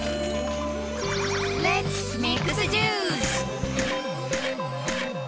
レッツミックスジュース！